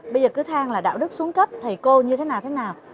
bây giờ cứ thang là đạo đức xuống cấp thầy cô như thế nào thế nào